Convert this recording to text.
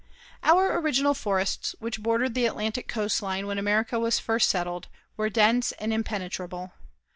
Our original forests which bordered the Atlantic coast line when America was first settled, were dense and impenetrable.